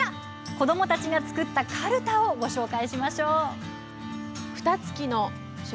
子どもたちが作ったかるたをご紹介しましょう。